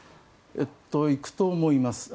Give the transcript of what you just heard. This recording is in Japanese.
行くと思います。